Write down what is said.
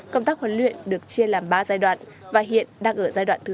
công tác huấn luyện được chia làm ba giai đoạn và hiện đang ở giai đoạn thứ hai